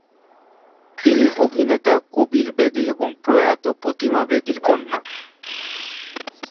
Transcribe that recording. তিনি অভিনেতা কবীর বেদী এবং প্রয়াত প্রতিমা বেদীর কন্যা।